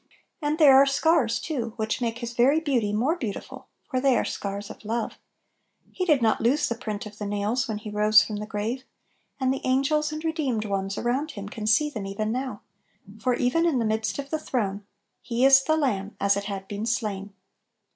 And there are scars too, which make His very beauty more beautiful, for they are scars of love. He did not lose the print of the 62 Little Pillows. nails when He rose from the grave, and the angels and redeemed ones around Him can see them even now; for even " in the midst of the throne " He is the " Lamb, as it had been slain."